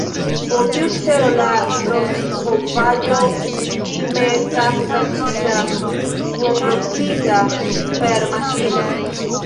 Por tiu celo la rostbovaĵo kutime estas tranĉita duonfrostita per maŝino.